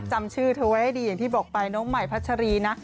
จำชื่อเธอไว้ให้ดีอย่างที่บอกไปน้องใหม่พัชรีนะ